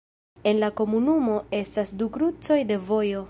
En la komunumo estas du krucoj de vojo.